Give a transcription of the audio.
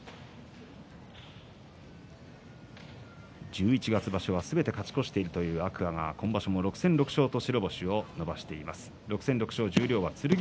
十一月場所はすべて勝ち越しているという天空海が今場所は６戦６勝と星を伸ばしています。